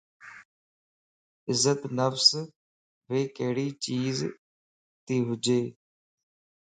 عزت نفس ڀي ڪھڙي چيز تي ھونج